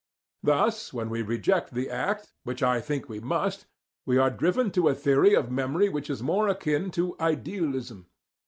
Thus, when we reject the act, which I think we must, we are driven to a theory of memory which is more akin to idealism.